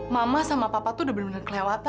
mama sama papa itu sudah benar benar kelewatan ya